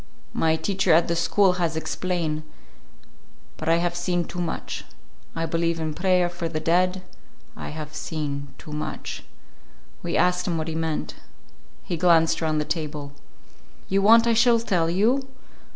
My teacher at the school has explain. But I have seen too much. I believe in prayer for the dead. I have seen too much." We asked him what he meant. He glanced around the table. "You want I shall tell you?